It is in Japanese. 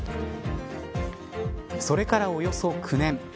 それからおよそ９年